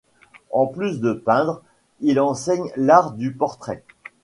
En plus de peindre, il enseigne l'art du portrait.